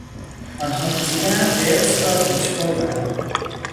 آنها کوشیدند ارث را پیشخور کنند.